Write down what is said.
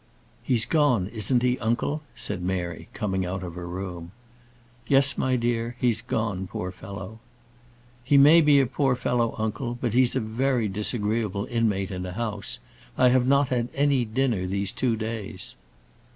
"He's gone; isn't he, uncle?" said Mary, coming out of her room. "Yes, my dear; he's gone, poor fellow." "He may be a poor fellow, uncle; but he's a very disagreeable inmate in a house. I have not had any dinner these two days."